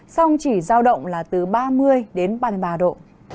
song chỉ giao động là từ ba mươi đến ba mươi ba độ